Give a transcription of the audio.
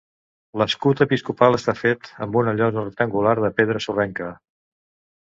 L'escut episcopal està fet en una llosa rectangular de pedra sorrenca.